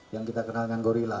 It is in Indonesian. yang kita kenalkan gorilla